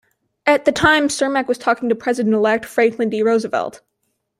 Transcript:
At the time, Cermak was talking to President-elect Franklin D. Roosevelt.